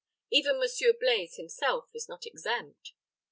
Even Monsieur Blaize himself was not exempt.